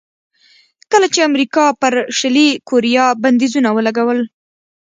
کله چې امریکا پر شلي کوریا بندیزونه ولګول.